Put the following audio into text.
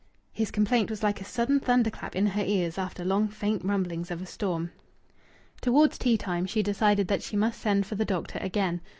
His complaint was like a sudden thunderclap in her ears, after long faint rumblings of a storm. Towards tea time she decided that she must send for the doctor again.